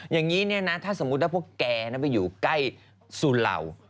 อย่างนี้เนี่ยนะถ้าสมมุติว่าพวกแกไปอยู่ใกล้สุเหล่า